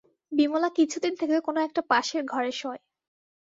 বিমলা কিছুদিন থেকে কোনো-একটা পাশের ঘরে শোয়।